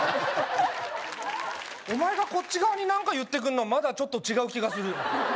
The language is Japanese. お前がこっち側に何か言ってくるのはまだ何か違う気がする。